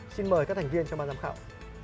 xin mời các thành viên trong ban giám khảo